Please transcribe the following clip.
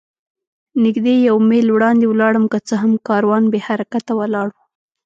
نږدې یو میل وړاندې ولاړم، که څه هم کاروان بې حرکته ولاړ و.